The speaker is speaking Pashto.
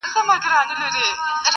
چيري که خوړلی د غلیم پر کور نمګ وي یار-